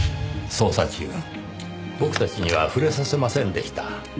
捜査中僕たちには触れさせませんでした。